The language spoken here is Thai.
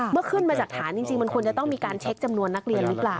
ขึ้นมาจากฐานจริงมันควรจะต้องมีการเช็คจำนวนนักเรียนหรือเปล่า